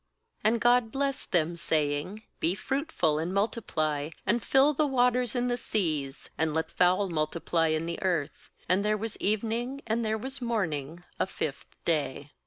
^And God blessed them, say ing: 'Be fruitful, and multiply, and fill the waters in the seas, and let fowl multiply in the earth/ ^And there was evening and there was morning, a fifth day.